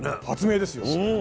発明ですよ。